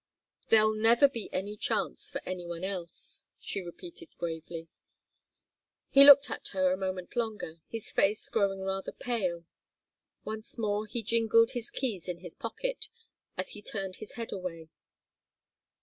"There'll never be any chance for any one else," she repeated gravely. He looked at her a moment longer, his face growing rather pale. Once more he jingled his keys in his pocket, as he turned his head away.